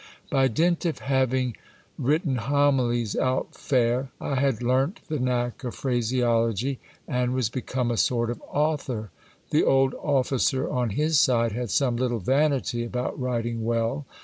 By dint of having written homilies out fair, I had learnt the knack of phraseology, and was become a sort of author. The ojd officer on his side had some little vanity about writing well.